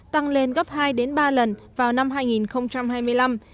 tăng lên gấp hai ba lần vào năm hai nghìn hai mươi năm